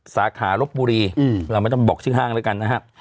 สาขารบบุรีเราไม่ต้องบอกชื่อห้างแล้วกันนะครับ